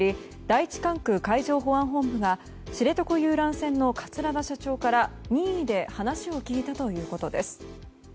第１管区海上保安本部が知床遊覧船の桂田社長から任意で話を聞いたということです。